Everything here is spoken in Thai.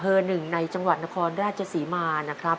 คุณยายแจ้วเลือกตอบจังหวัดนครราชสีมานะครับ